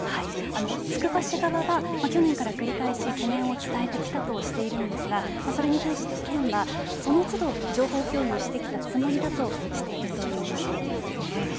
つくば市側は、去年から繰り返し懸念を伝えてきたとしているのですがそれに対して県はその都度、情報共有してきたつもりだとしているという状況なんですね。